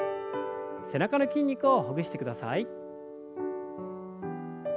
背中の筋肉をほぐしてください。